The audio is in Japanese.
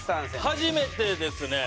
初めてですね。